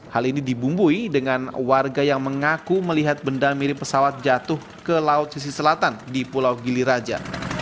hal ini dibumbui dengan warga yang mengaku melihat benda mirip pesawat jatuh ke laut sisi selatan di pulau gili raja